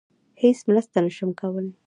هیڅ مرسته نشم کولی.